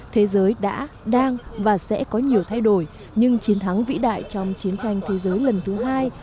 thế giới đã đang và sẽ có nhiều thay đổi nhưng chiến thắng vĩ đại trong chiến tranh thế giới lần thứ hai